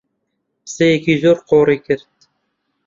قسەیەکی زۆر قۆڕی کرد